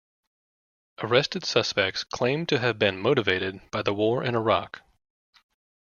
Arrested suspects claimed to have been motivated by the War in Iraq.